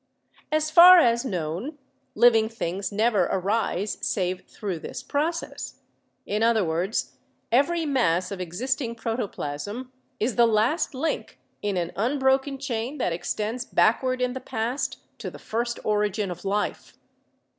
As far as known, living things never arise save through this process. In other words, every mass of existing protoplasm is the last link in an unbroken chain that extends backward in the past to the first origin of life.